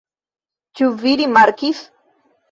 Ĉu vi rimarkis?